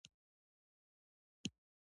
عشق د زړه د سکون سرچینه ده.